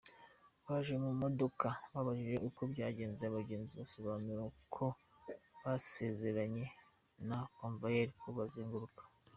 Baje mu modoka babajije uko byagenze, abagenzi basobanuye ko basezeranye na Convoyeur ko bazenguruka.